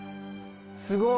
すごい。